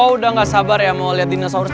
udah gak sabar ya mau liat dinosaurus